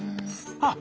あっ！